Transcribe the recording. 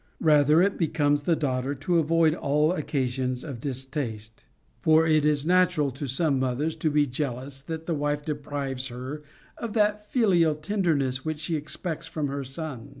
Rather it becomes the daughter to avoid all occasions of distaste. For it is natural to some mothers to be jealous that the wife deprives her of that filial tenderness which she expects from her son.